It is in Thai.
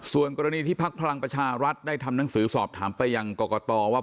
ส่วนกรณีที่พักพลังประชารัฐได้ทำหนังสือสอบถามไปยังกรกตว่า